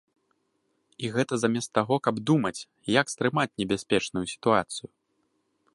І гэта замест таго, каб думаць, як стрымаць небяспечную сітуацыю.